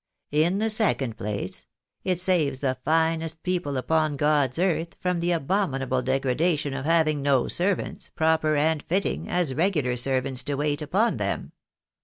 In the second place, it saves the finest people upon God's earth from the abominable degradation of having no servants, proper and fitting, as regular servants, to vi^ait upon them.